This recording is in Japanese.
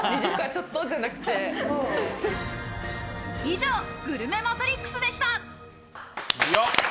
以上、グルメマトリックスでした。